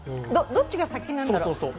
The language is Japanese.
どっちが先なんだろう？